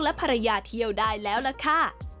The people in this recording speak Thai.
และภรรยาเที่ยวได้แล้วล่ะค่ะ